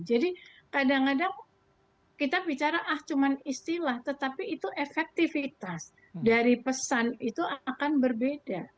jadi kadang kadang kita bicara ah cuma istilah tetapi itu efektivitas dari pesan itu akan berbeda